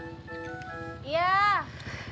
tunggu sebentar bang